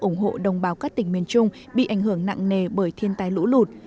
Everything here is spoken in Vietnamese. ủng hộ đồng bào các tỉnh miền trung bị ảnh hưởng nặng nề bởi thiên tai lũ lụt